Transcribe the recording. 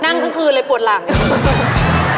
ทั้งคืนเลยปวดหลัง